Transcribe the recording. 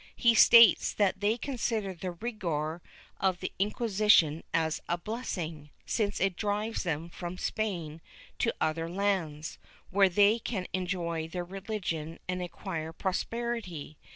He states that they consider the rigor of the Inquisition as a blessing, since it drives them from Spain to other lands, where they can enjoy their religion and acquire prosperity.